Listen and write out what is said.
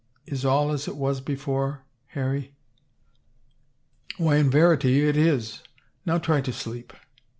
" Is all as it was before, Harry ?"" Why in verity it is. Now try to sleep."